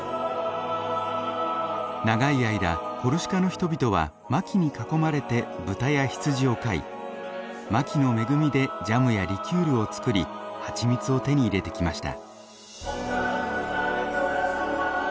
長い間コルシカの人々はマキに囲まれて豚や羊を飼いマキの恵みでジャムやリキュールを作り蜂蜜を手に入れてきました。